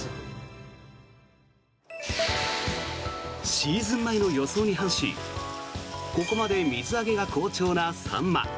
シーズン前の予想に反しここまで水揚げが好調なサンマ。